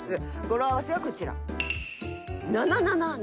語呂合わせはこちら。